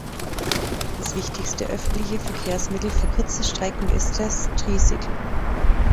Das wichtigste öffentliche Verkehrsmittel für kurze Strecken ist das Tricycle.